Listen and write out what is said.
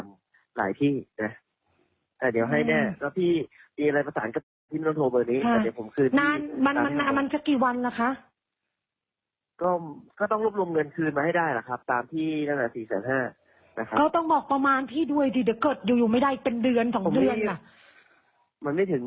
มันไม่ถึง๒เดือนแล้วครับแล้วพี่จะเล่นให้เร็วที่สุด